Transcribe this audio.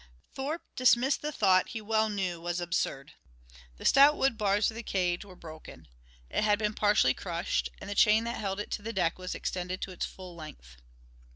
Thorpe dismissed the thought he well knew was absurd. The stout wood bars of the cage were broken. It had been partially crushed, and the chain that held it to the deck was extended to its full length.